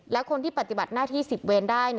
และคนที่ปฏิบัติหน้าที่๑๐เวรได้